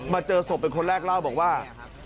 เจอศพเป็นคนแรกเล่าบอกว่า